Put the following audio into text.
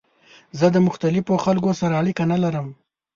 زه د مختلفو خلکو سره اړیکه نه لرم.